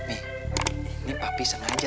ini papi sengaja